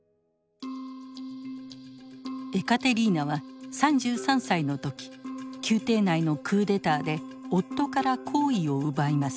エカテリーナは３３歳の時宮廷内のクーデターで夫から皇位を奪います。